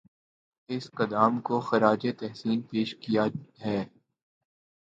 اس قدام کو خراج تحسین پیش کیا ہے